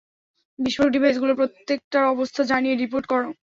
বিস্ফোরক ডিভাইসগুলোর প্রত্যেকটার অবস্থা জানিয়ে রিপোর্ট করো।